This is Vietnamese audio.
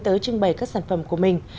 tới trưng bày các sản phẩm của mình